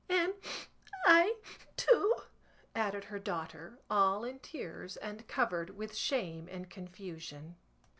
"And I too," added her daughter, all in tears and covered with shame and confusion.